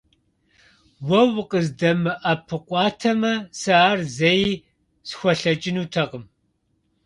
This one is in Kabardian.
Уэ укъыздэмыӀэпыкъуатэмэ, сэ ар зэи схуэлъэкӀынутэкъым.